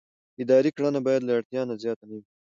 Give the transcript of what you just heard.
اداري کړنه باید له اړتیا زیاته نه وي.